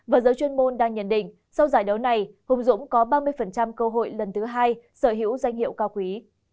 và giới chuyên môn đang nhận định sau giải đấu này hùng dũng có ba mươi cơ hội lần thứ hai sở hữu danh hiệu cao quý